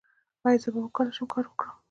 ایا زه به وکولی شم کار وکړم؟